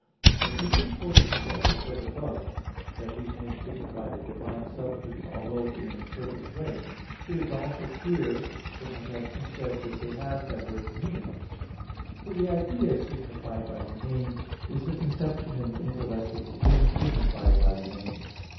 But even according to what was said above (A. 2), that these names signify the divine substance, although in an imperfect manner, it is also clear from what has been said (AA. 1, 2) that they have diverse meanings. For the idea signified by the name is the conception in the intellect of the thing signified by the name.